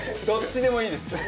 どっちでもいいです。